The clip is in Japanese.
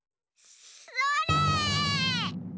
それ！